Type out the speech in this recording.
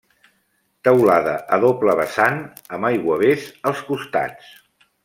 Teulada a doble vessant amb aiguavés als costats.